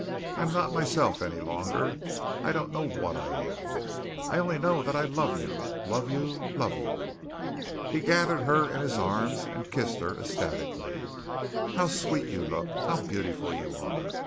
I am not myself any longer. I don't know what I am. I only know that I love you, love you, love you!" He gathered her in his arms and kissed her ecstatically. "How sweet you look. How beautiful you are.